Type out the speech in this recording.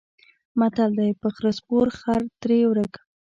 متل دی: په خره سپور خر ترې ورک.